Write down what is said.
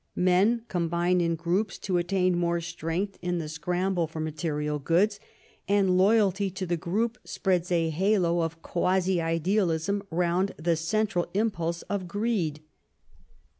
Men combine in groups to attain more strength in the scramble for material goods, and loyalty to the group spreads a halo of quasi idealism round the central impulse of greed.